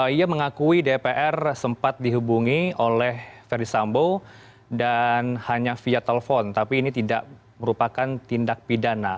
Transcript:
ia mengakui dpr sempat dihubungi oleh ferdisambo dan hanya via telepon tapi ini tidak merupakan tindak pidana